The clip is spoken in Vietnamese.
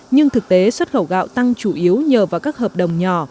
nhưng thực tế xuất khẩu gạo tăng chủ yếu nhờ vào các hợp đồng nhỏ